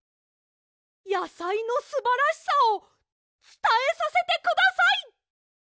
やさいのすばらしさをつたえさせてください！